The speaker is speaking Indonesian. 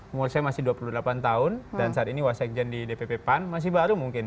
umur saya masih dua puluh delapan tahun dan saat ini wasekjen di dpp pan masih baru mungkin